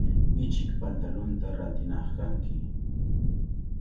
Ichik pantalunta rantinaq kanki.